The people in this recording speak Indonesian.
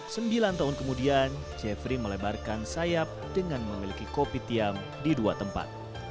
sembilan tahun kemudian jeffrey melebarkan sayap dengan memiliki kopi tiam di dua tempat